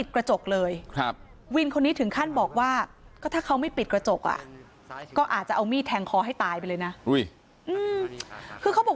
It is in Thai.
คือเขาบอกว่าคือ